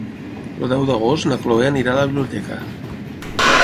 El deu d'agost na Chloé anirà a la biblioteca.